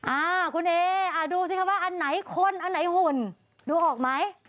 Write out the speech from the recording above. อ่าคุณเออ่ะดูสิคะว่าอันไหนคนอันไหนหุ่นดูออกไหม